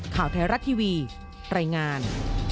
ข่าวไทยรัฐทีวีรายงาน